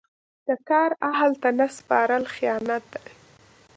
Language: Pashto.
د کار اهل ته نه سپارل خیانت دی.